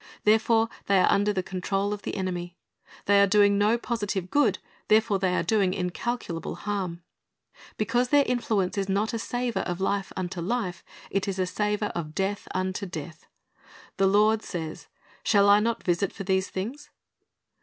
Therefore they are under the control of the enemy. They are doing no positive good, therefore they are doing incalculable harm. Because their influence is not a savor of life unto life, it is a savor of death unto death. The Lord says, "Shall I not visit for these things?"'